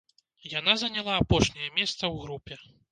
Яна заняла апошняе месца ў групе.